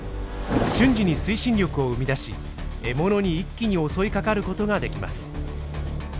瞬時に推進力を生み出し獲物に一気に襲いかかる事ができます。